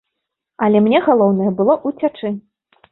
Але мне галоўнае было ўцячы.